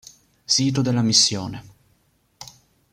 Sito della Missione